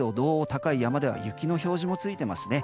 高い山では雪の表示もついていますね。